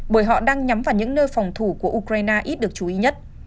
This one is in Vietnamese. bởi họ đang nhắm vào những nơi phòng thủ của ukraine ít được chú ý nhất